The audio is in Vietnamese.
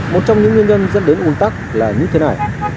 một trong những nguyên nhân dẫn đến un tắc là như thế này